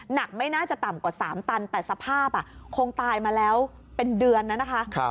ไม่น่าจะต่ำกว่า๓ตันแต่สภาพคงตายมาแล้วเป็นเดือนแล้วนะคะ